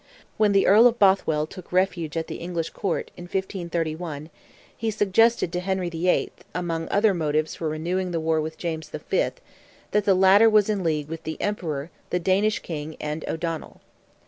When the Earl of Bothwell took refuge at the English Court, in 1531, he suggested to Henry VIII., among other motives for renewing the war with James V., that the latter was in league "with the Emperor, the Danish King, and O'Donnell."